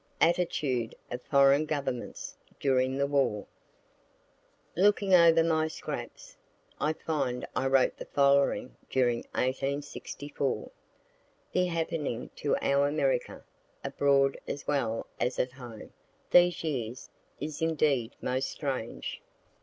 ATTITUDE OF FOREIGN GOVERNMENTS DURING THE WAR Looking over my scraps, I find I wrote the following during 1864. The happening to our America, abroad as well as at home, these years, is indeed most strange.